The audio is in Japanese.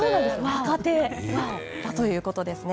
若手だということですね。